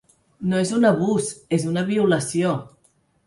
No és un abús, és una violació.